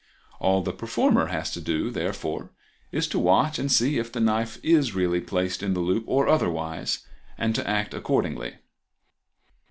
All the performer has to do, therefore, is to watch and see if the knife is really placed in the loop or otherwise, and to act accordingly.